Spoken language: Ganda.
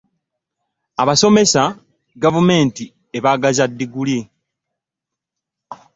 Abasomesa gavumenti ebagaza diguli.